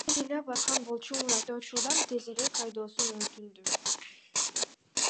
Мен ыйлап аткан болчумун, айдоочудан тезирээк айдоосун өтүндүм.